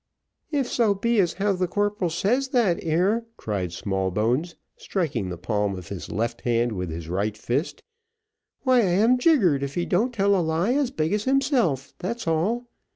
"If so be as how as the corporal says that ere," cried Smallbones, striking the palm of his left hand with his right fist, "why I am jiggered if he don't tell a lie as big as himself that's all.